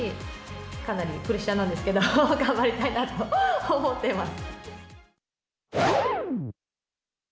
かなりプレッシャーなんですけど、頑張りたいなと思ってます。